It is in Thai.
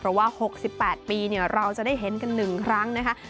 เพราะว่า๖๘ปีเราจะได้เห็นกัน๑ครั้งนะคะ